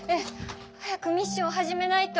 早くミッションを始めないと。